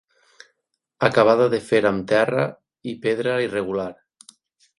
Acabada de fer amb terra i pedra irregular.